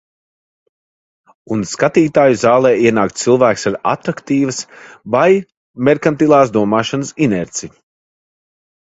Un skatītāju zālē ienāk cilvēks ar atraktīvas vai merkantilās domāšanas inerci.